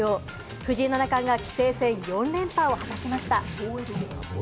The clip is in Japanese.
藤井七冠が棋聖戦４連覇を果たしました。